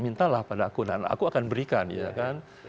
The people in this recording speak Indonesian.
mintalah padaku dan aku akan berikan ya kan